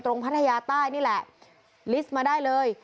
พัทยาใต้นี่แหละลิสต์มาได้เลย